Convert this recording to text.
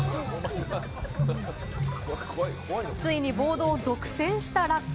ついにボードを独占したラッコ。